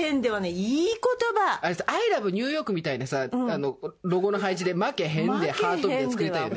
アイラブニューヨークみたいなさあのロゴの配置で「負けへんでハート」みたいなの作りたいよね。